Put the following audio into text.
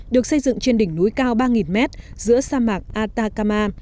được xây dựng trên đỉnh núi cao ba mét giữa sa mạc atacama